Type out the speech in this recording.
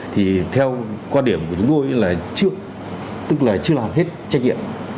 thì theo quan điểm của chúng tôi là tức là chưa làm hết trách nhiệm